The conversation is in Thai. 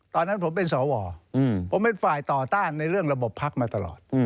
ตอนนั้นผมเป็นสวผมเป็นฝ่ายต่อต้านในเรื่องระบบพักมาตลอด